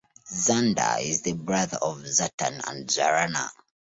Zandar is the brother of Zartan and Zarana.